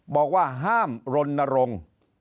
บอกว่าห้ามรณรงค์